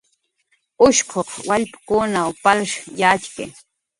Ushquq wallpkunw palsh yatxki